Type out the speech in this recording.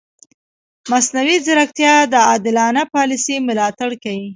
مصنوعي ځیرکتیا د عادلانه پالیسي ملاتړ کوي.